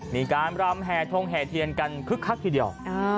มีการรำแห่ทงแห่เทียนกันคึกคักทีเดียว